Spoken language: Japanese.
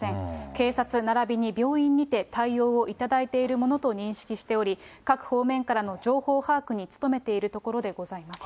警察ならびに病院にて、対応をいただいているものと認識しており、各方面からの情報把握に努めているところでございますと。